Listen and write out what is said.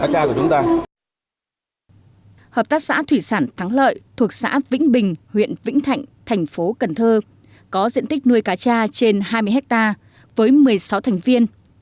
hợp tác xã thủy sản thắng lợi thuộc xã vĩnh bình huyện vĩnh thạnh thành phố cần thơ có diện tích nuôi cá cha trên hai mươi hectare với một mươi sáu thành viên